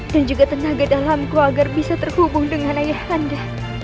dan juga tenaga dalamku agar bisa terhubung dengan ayah anda